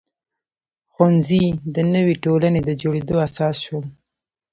ښوونځي د نوې ټولنې د جوړېدو اساس شول.